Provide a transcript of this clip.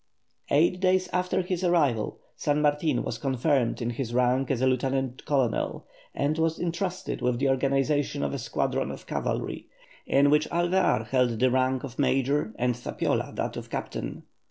Eight days after his arrival San Martin was confirmed in his rank as a lieutenant colonel, and was entrusted with the organization of a squadron of cavalry, in which Alvear held the rank of major and Zapiola that of captain.